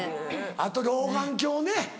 あと老眼鏡ね。